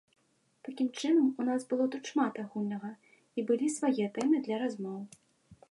Такім чынам, у нас было тут шмат агульнага і былі свае тэмы для размоў.